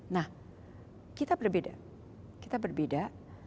nah kita berbeda